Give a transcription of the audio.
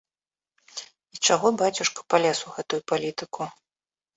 І чаго бацюшка палез у гэтую палітыку?